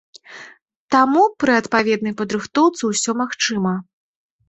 Таму пры адпаведнай падрыхтоўцы ўсё магчыма.